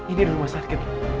ini rumah sakit